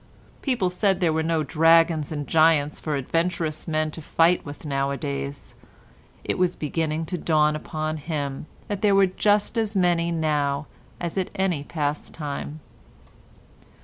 People said there were no dragons and giants for adventurous men to fight with nowadays; it was beginning to dawn upon him that there were just as many now as at any past time.